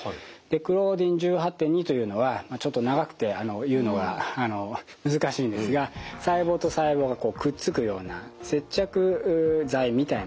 クローディン１８．２というのはちょっと長くて言うのが難しいんですが細胞と細胞がくっつくような接着剤みたいなですね